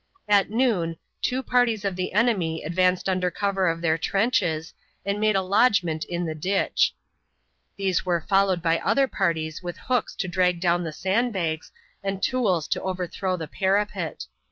At noon two parties of the enemy advanced under cover of their trenches and made a lodgment in the ditch. These were followed by other parties with hooks to drag down the sand bags and tools to overthrow the parapet.